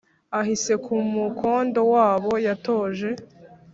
Ahise ku mukondo w'abo yatoje